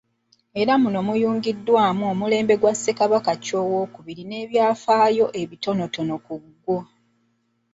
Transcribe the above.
Era muno muyungiddwamu omulembe gwa Ssekabaka Chwa II n'ebyafaayo ebitono ku gwo.